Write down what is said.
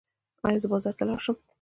ایا زه بازار ته لاړ شم؟